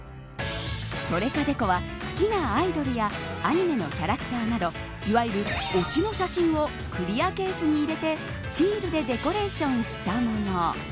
トレカデコは好きなアイドルやアニメのキャラクターなどいわゆる推しの写真をクリアケースに入れてシールでデコレーションしたもの。